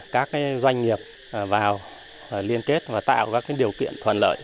các doanh nghiệp vào liên kết và tạo các điều kiện thuận lợi